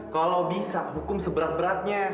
kalau bisa hukum seberat beratnya